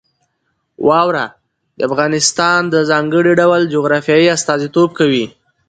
واوره د افغانستان د ځانګړي ډول جغرافیې استازیتوب کوي.